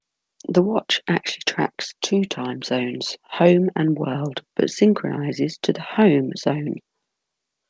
The watch actually tracks two time zones-home and world-but synchronizes to the 'home' zone.